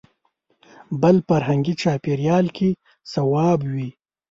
بل فرهنګي چاپېریال کې صواب وي.